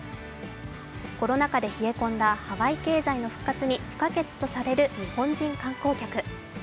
コロナ禍で冷え込んだハワイ経済の復活に不可欠とされる日本人観光客。